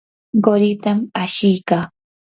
quritam ashikaa.